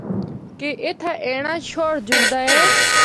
کہ اِتھا اینڑا چُھوڑ جُلدا اے۔